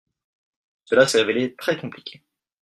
Cela s’est révélé très compliqué.